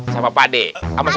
sebentar ada dua orang nih